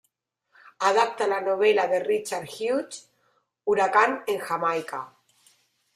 Adapta la novela de Richard Hughes "Huracán en Jamaica".